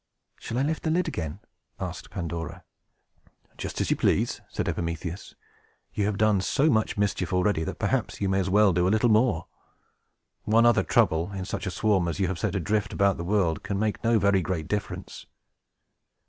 "Shall I lift the lid again?" asked Pandora. "Just as you please," said Epimetheus. "You have done so much mischief already, that perhaps you may as well do a little more. One other Trouble, in such a swarm as you have set adrift about the world, can make no very great difference."